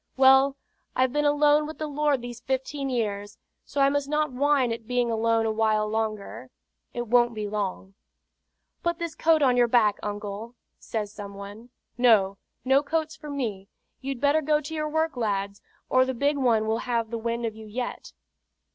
"Well, I've been alone with the Lord these fifteen years, so I must not whine at being alone a while longer it won't be long." "Put this coat on your back, uncle," says some one. "No; no coats for me. You'd better go to your work, lads, or the big one will have the wind of you yet."